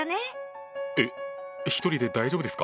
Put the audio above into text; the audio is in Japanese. えっ１人で大丈夫ですか？